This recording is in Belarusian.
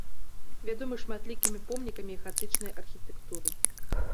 Вядомы шматлікімі помнікамі гатычнай архітэктуры.